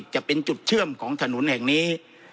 จะเป็นจุดเชื่อมของถนนแห่งนี้